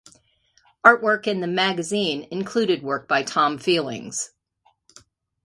Artwork in the magazine included work by Tom Feelings.